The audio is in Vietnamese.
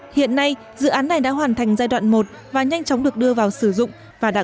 hiện nay dự án này đã hoàn thành giai đoạn một và nhanh chóng được đưa vào sử dụng và đạt